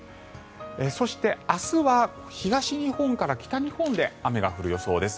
そして、明日は東日本から北日本で雨が降る予想です。